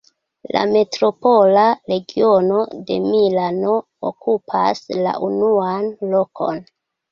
La metropola regiono de Milano okupas la unuan lokon.